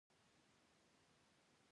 راوهي په سمندر کې خپله لاره